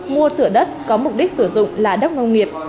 mua thửa đất có mục đích sử dụng là đất nông nghiệp